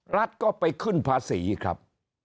รัฐก็ไปขึ้นภาษีครับ